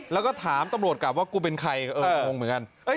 แล้วก็ถามตำรวจกลับว่ากูเป็นใครงงเหมือนกัน